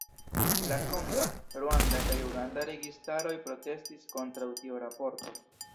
La konga, ruanda kaj uganda registaroj protestis kontraŭ tiu raporto.